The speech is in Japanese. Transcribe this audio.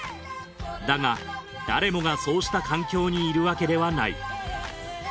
だが誰もがそうした環境にいるわけではない。